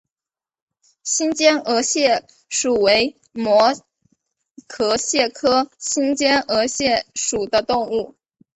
新尖额蟹属为膜壳蟹科新尖额蟹属的动物。